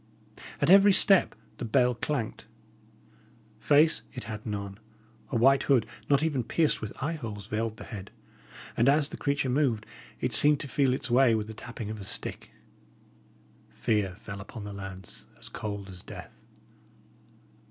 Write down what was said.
At every step the bell clanked. Face, it had none; a white hood, not even pierced with eye holes, veiled the head; and as the creature moved, it seemed to feel its way with the tapping of a stick. Fear fell upon the lads, as cold as death.